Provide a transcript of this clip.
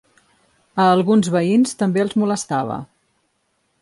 A alguns veïns també els molestava.